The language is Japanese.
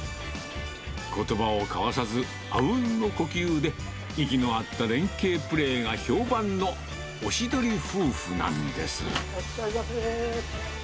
ことばを交わさず、あうんの呼吸で、息の合った連係プレーが評判のおしどり夫婦なんです。